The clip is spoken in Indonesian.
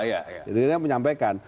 jadi dia menyampaikan